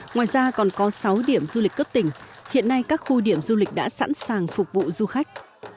ngoài ra còn có sáu điểm du lịch cấp tỉnh hiện nay các khu điểm du lịch đã sẵn sàng phục vụ du khách